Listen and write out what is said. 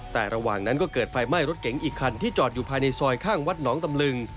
แต่ระหว่างนั้นก็เกิดไฟไหม้รถเก๋งอีกคันที่จอดอยู่ภายในซอยข้างวัดหนองตำลึง